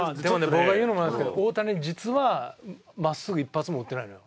僕が言うのもなんですけど大谷実は真っすぐ一発も打ってないのよ。